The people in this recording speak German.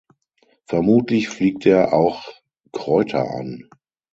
Vermutlich fliegt er auch Kräuter an.